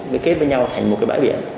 nó kết với nhau thành một cái bãi biển